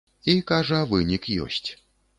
І, кажа, вынік ёсць.